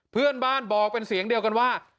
เพื่อนบ้านบอกเป็นเสียงเดียวกันว่า